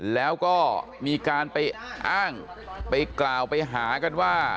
แล้วก็มีการไปอ้างไปกล่าวไปหากันว่า